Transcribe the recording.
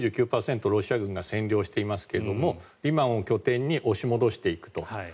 ロシア軍が占領していますがリマンを拠点に押し戻していくと。